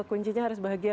kuncinya harus bahagia